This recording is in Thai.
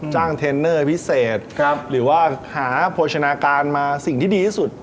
เทรนเนอร์พิเศษครับหรือว่าหาโภชนาการมาสิ่งที่ดีที่สุด